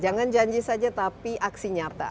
jangan janji saja tapi aksi nyata